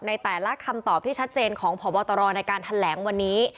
ในแต่ละคำตอบที่ชัดเจนของพบตรในการแถลงวันนี้